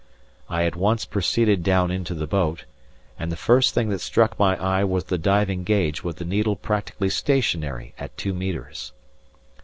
I at once proceeded down into the boat, and the first thing that struck my eye was the diving gauge with the needle practically stationary at two metres.